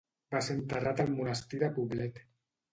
Va ser enterrat al Monestir de Poblet.